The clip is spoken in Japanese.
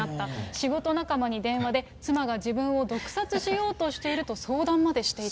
仕事仲間に電話で、妻が自分を毒殺しようとしていると相談までしていた。